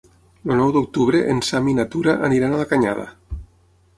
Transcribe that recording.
El nou d'octubre en Sam i na Tura aniran a la Canyada.